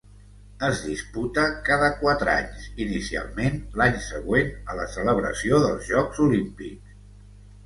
Es disputa cada quatre anys, inicialment l'any següent a la celebració dels Jocs Olímpics.